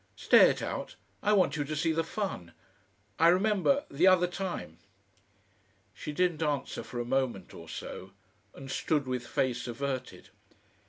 "Stay it out. I want you to see the fun. I remember the other time." She didn't answer for a moment or so, and stood with face averted.